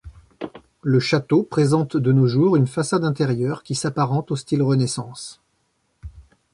Le château présente de nos jours, une façade intérieure qui s'apparente au style renaissance.